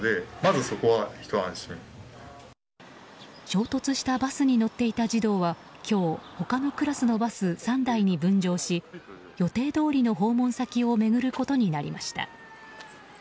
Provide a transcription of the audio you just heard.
衝突したバスに乗っていた児童は今日他のクラスのバス３台に分乗し予定どおりの訪問先を巡ることになりました。